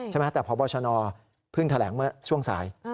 ใช่ไหมแต่พบชนเพิ่งแถลงเมื่อช่วงสาย